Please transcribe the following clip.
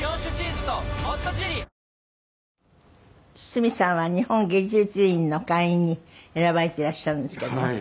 堤さんは日本芸術院の会員に選ばれていらっしゃるんですけども。